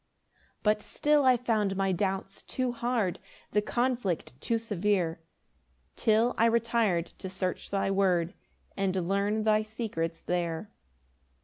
6 But still I found my doubts too hard, The conflict too severe, Till I retir'd to search thy word, And learn thy secrets there.